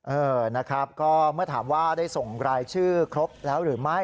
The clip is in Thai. เออนะครับก็เมื่อถามว่าได้ส่งรายชื่อครบแล้วหรือไม่